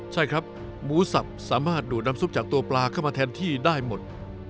ใช่ครับหมูสับสามารถดูดน้ำซุปจากตัวปลาเข้ามาแทนที่ได้หมด